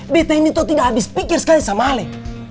bt ini tuh tidak habis pikir sekali sama ale